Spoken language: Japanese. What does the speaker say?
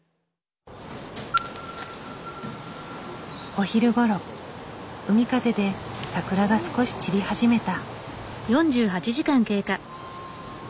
お昼ごろ海風で桜が少し散り始めた。